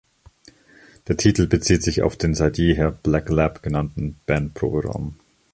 Der Titel bezieht sich auf den seit jeher "Black Lab" genannten Band-Proberaum.